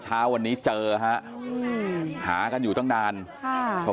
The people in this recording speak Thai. เช้าวันนี้เจอฮะอืมหากันอยู่ตั้งดานฮะคน